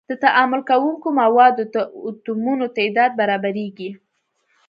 د تعامل کوونکو موادو د اتومونو تعداد برابریږي.